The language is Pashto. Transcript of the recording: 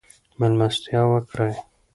مېلمستیا وکړئ.